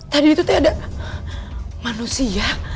tadi itu ada manusia